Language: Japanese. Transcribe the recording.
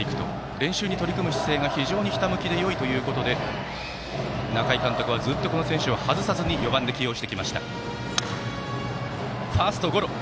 練習に取り組む姿勢が非常にひたむきでよいということで仲井監督はずっとこの選手を外さずに４番で起用してきました。